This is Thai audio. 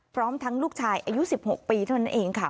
พร้อมทั้งลูกชายอายุสิบหกปีเนี่ยเองค่ะ